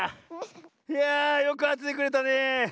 いやよくあててくれたねえ。